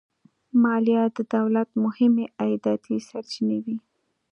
مالیات د دولت مهمې عایداتي سرچینې وې.